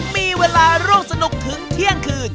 มีเวลาร่วมสนุกถึงเที่ยงคืน